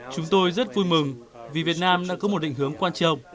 chúng tôi rất vui mừng vì việt nam đã có một định hướng quan trọng